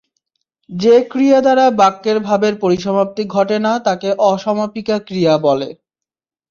যে ক্রিয়া দ্বারা বাক্যের ভাবের পরিসমাপ্তি ঘটে না তাকে অসমাপিকা ক্রিয়া বলে।